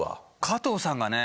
加藤さんがね